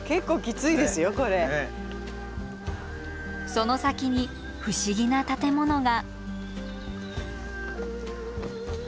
その先に不思議な建物が。